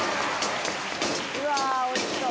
うわおいしそう！